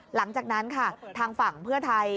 หลังจากนั้นค่ะทางฝั่งเพื่อไทย